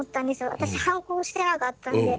私はんこ押してなかったんで。